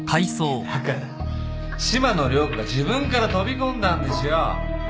だから島野涼子が自分から飛び込んだんですよ